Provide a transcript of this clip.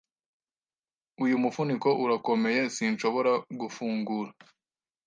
Uyu mufuniko urakomeye sinshobora gufungura.